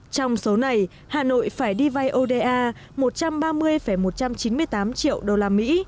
trong số này hà nội phải đi vay oda một trăm ba mươi một trăm chín mươi tám triệu đô la mỹ